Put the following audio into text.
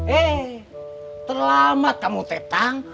eh terlambat kamu tetang